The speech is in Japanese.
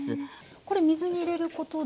これ水に入れることで。